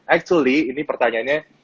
actually ini pertanyaannya